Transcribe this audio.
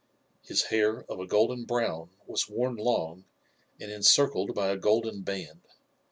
His hair, of a golden brown, was worn long, and encircled by a golden band.